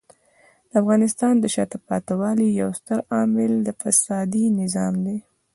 د افغانستان د شاته پاتې والي یو ستر عامل د فسادي نظام دی.